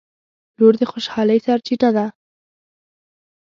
• لور د خوشحالۍ سرچینه ده.